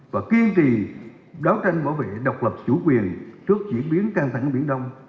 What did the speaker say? và kiên trì đấu tranh bảo vệ độc lập chủ quyền trước diễn biến căng thẳng ở biển đông